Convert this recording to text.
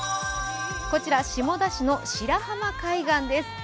こちら下田市の白浜海岸です。